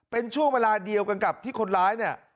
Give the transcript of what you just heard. เป็นช่วงเวลาเดียวกันกับที่คนร้ายเนี่ย